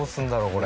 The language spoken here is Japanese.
これ。